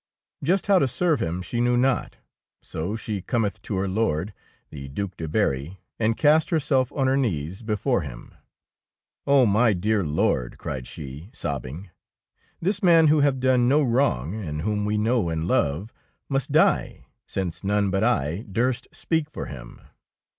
Just how to serve him she knew not; so she cometh to her Lord, the Due de Berry, and cast herself on her knees before him. " Oh, dear my lord," cried she, sob bing, this man who hath done no wrong, and whom we know and love, must die, since none but I durst speak for him."